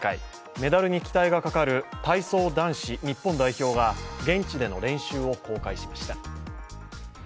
メダルに期待がかかる体操男子日本代表が現地での練習を公開しました。